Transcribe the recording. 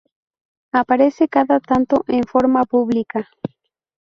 Aparece cada tanto en forma pública.